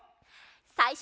さいしょは。